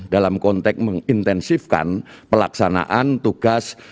dalam konteks mengintensifkan pelaksanaan tugas